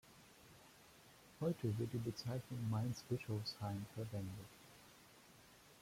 Heute wird die Bezeichnung "Mainz-Bischofsheim" verwendet.